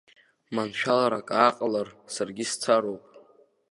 Маншәаларак ааҟалар, саргьы сцароуп.